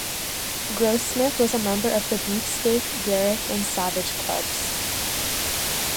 Grossmith was a member of the Beefsteak, Garrick and Savage clubs.